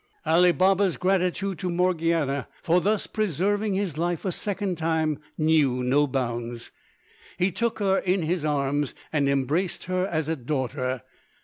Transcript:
Ali Baba's gratitude to Morgiana for thus preserving his life a second time, knew no bounds. He took her in his arms and embraced her as a daughter.